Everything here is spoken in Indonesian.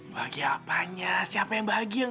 bagi apanya siapa yang bahagia